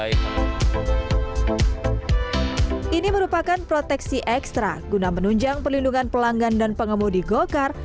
ini merupakan proteksi ekstra guna menunjang pelindungan pelanggan dan pengemudi gokar